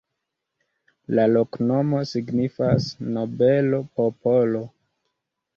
La loknomo signifas: nobelo-popolo.